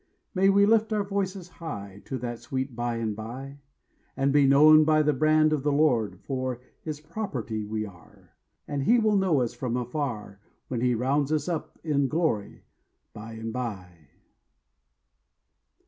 May we lift our voices high To that sweet bye and bye, And be known by the brand of the Lord; For his property we are, And he will know us from afar When he rounds us up in glory bye and bye.